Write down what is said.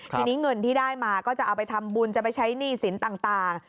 ทีนี้เงินที่ได้มาก็จะเอาไปทำบุญจะไปใช้หนี้สินต่าง